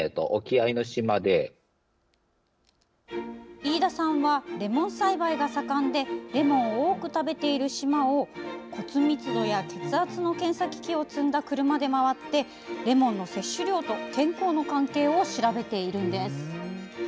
飯田さんはレモン栽培が盛んでレモンを多く食べている島を骨密度や血圧の検査機器を積んだ車で周ってレモンの摂取量と健康の関係を調べているんです。